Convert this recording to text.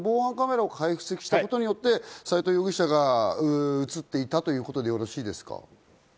その防犯カメラを解析したことによって、斎藤容疑者が映っていたということでよろしいですか？